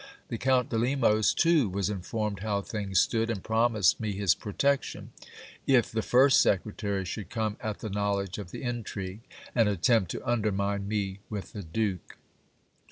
The Count de Lemos, too, was informed how things stood, and promised me his protection, if GIL BLAS FORGETS HIS RELATIONS. 307 the first secretary should come at the knowledge of the intrigue, and attempt to undermine me with the duke.